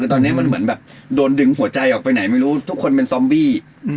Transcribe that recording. แต่ตอนนี้มันเหมือนแบบโดนดึงหัวใจออกไปไหนไม่รู้ทุกคนเป็นซอมบี้